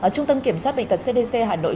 trung tâm kiểm soát bệnh tật cdc hà nội